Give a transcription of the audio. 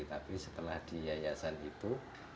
tapi setelah di yayasan itu